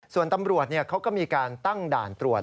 ส่วนตำรวจเขาก็มีการตั้งด่านตรวจ